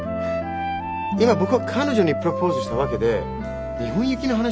今僕は彼女にプロポーズしたわけで日本行きの話は。